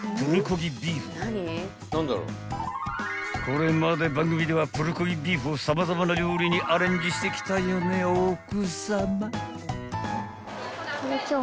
［これまで番組ではプルコギビーフを様々な料理にアレンジしてきたよね奥さま］